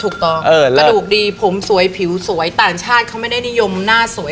กระดูกดีผมสวยผิวสวยต่างชาติเขาไม่ได้นิยมหน้าสวย